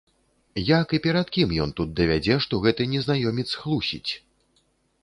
Як і перад кім ён тут давядзе, што гэты незнаёмец хлусіць?